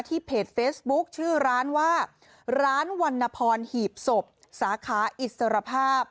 เพจเฟซบุ๊คชื่อร้านว่าร้านวรรณพรหีบศพสาขาอิสรภาพ